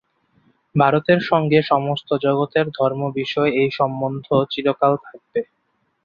ভারতের সঙ্গে সমস্ত জগতের ধর্মবিষয়ে এই সম্বন্ধ চিরকাল থাকবে।